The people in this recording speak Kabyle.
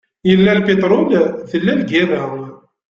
Yella lpiṭrul, tella lgirra.